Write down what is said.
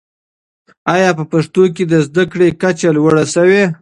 آیا په پښتنو کي د زده کړې کچه لوړه سوې؟